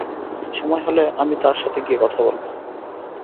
সময় হলে, আমি তার সাথে গিয়ে কথা বলবো।